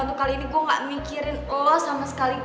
untuk kali ini gue gak mikirin allah sama sekali